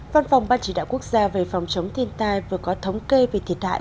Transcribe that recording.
văn phòng ban chỉ đạo quốc gia về phòng chống thiên tai vừa có thống kê về thiệt hại